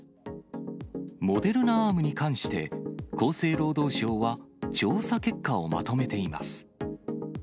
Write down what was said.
モデルナアームに関して、厚生労働省は調査結果をまとめています。